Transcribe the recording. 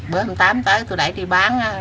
bữa hôm tám tới tôi đẩy đi bán